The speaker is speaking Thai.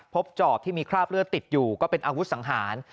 จอบที่มีคราบเลือดติดอยู่ก็เป็นอาวุธสังหาร